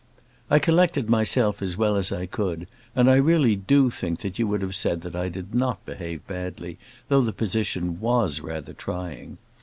I collected myself as well as I could, and I really do think that you would have said that I did not behave badly, though the position was rather trying.